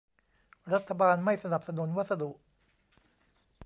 รัฐบาลไม่สนับสนุนวัสดุ